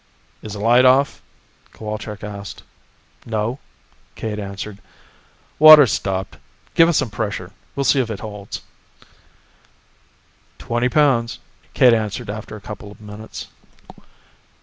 "Is the light off?" Cowalczk asked. "No," Cade answered. "Water's stopped. Give us some pressure, we'll see if it holds." "Twenty pounds," Cade answered after a couple of minutes.